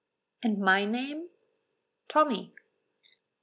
"And my name?" "Tommy."